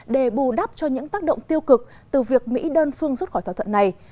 để bù đắp cho những tác động tiêu cực từ việc mỹ đơn phương rút khỏi thỏa thuận này